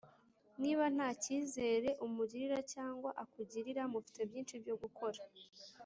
niba nta cyizere umugirira cyangwa akugirira mufite byinshi byo gukora